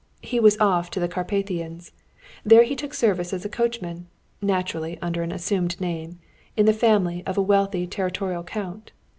He was off to the Carpathians. There he took service as coachman (naturally under an assumed name) in the family of a wealthy territorial Count.